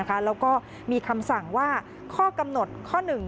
แล้วก็มีคำสั่งว่าข้อกำหนดข้อ๑